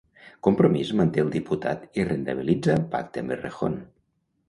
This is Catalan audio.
Compromís manté el diputat i rendibilitza el pacte amb Errejón.